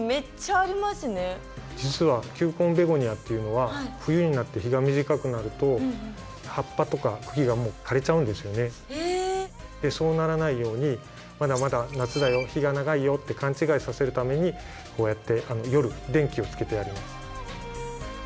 実は球根ベゴニアっていうのはそうならないようにまだまだ夏だよ日が長いよって勘違いさせるためにこうやって夜電気をつけてやります。